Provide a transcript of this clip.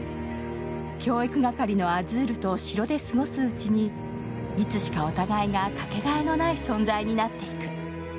教育係のアズールと城で過ごすうちにいつしかお互いがかけがえのない存在になっていく。